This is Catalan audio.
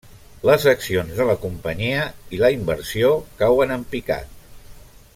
Les accions de la companyia i la inversió cauen en picat.